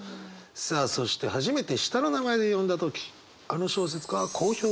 さあそして初めて下の名前で呼んだ時あの小説家はこう表現しました。